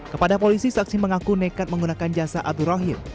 kepada polisi saksi mengaku nekat menggunakan jasa abdurrahim